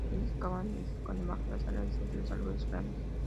Ellos excavan y se esconden bajo las raíces de los árboles grandes.